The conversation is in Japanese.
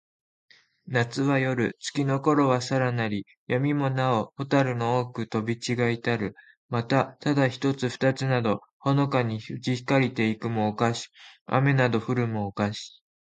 夏なつは、夜よる。月つきのころはさらなり。闇やみもなほ、蛍ほたるの多おほく飛とびちがひたる。また、ただ一ひとつ二ふたつなど、ほのかにうち光ひかりて行いくも、をかし。雨あめなど降ふるも、をかし。